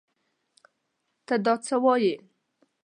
تۀ دا څه وايې ؟